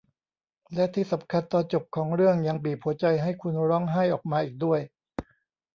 และที่สำคัญตอนจบของเรื่องยังบีบหัวใจให้คุณร้องไห้ออกมาอีกด้วย